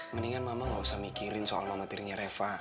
mendingan mama gak usah mikirin soal mama tirinya reva